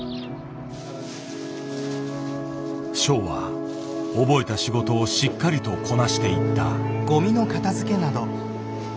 ショウは覚えた仕事をしっかりとこなしていった。